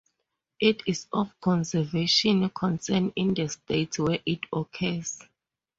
It is of conservation concern in the states where it occurs.